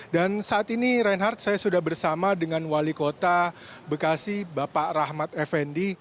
dan saat ini reinhardt saya sudah bersama dengan wali kota bekasi bapak rahmat effendi